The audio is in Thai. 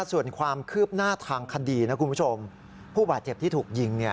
ส่วนความคืบหน้าทางคดีนะคุณผู้ชมผู้บาดเจ็บที่ถูกยิง